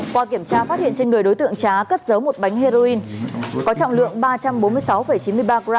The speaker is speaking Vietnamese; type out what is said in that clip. qua kiểm tra phát hiện trên người đối tượng trá cất giấu một bánh heroin có trọng lượng ba trăm bốn mươi sáu chín mươi ba gram